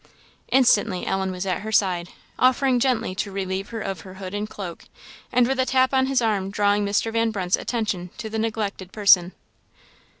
Instantly Ellen was at her side, offering gently to relieve her of hood and cloak, and with a tap on his arm drawing Mr. Van Brunt's attention to the neglected person.